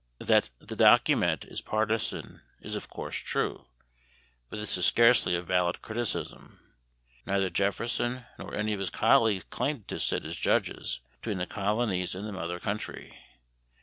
That the document is partisan is of course true; but this is scarcely a valid criticism. Neither Jefferson nor any of his colleagues claimed to sit as judges between the colonies and the mother country.